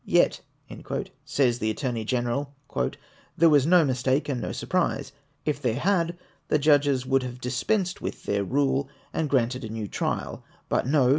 Yet," says the Attorney G eneral, " there was no mistake and no surprise : if there had, the Judges would have dispensed with their rule, and granted a new trial : but, no